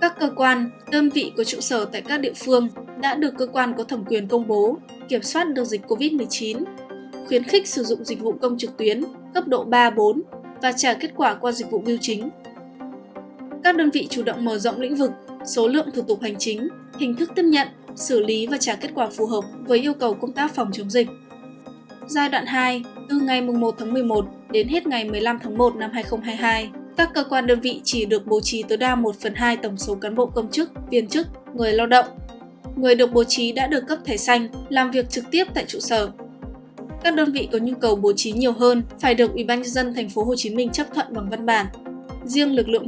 các đơn vị có nhu cầu bố trí nhiều hơn phải được ủy banh dân tp hcm chấp thuận bằng văn bản